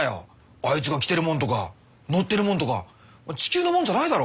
あいつが着てるもんとか乗ってるもんとか地球のもんじゃないだろ？